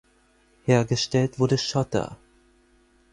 Hergestellt wurde Schotter.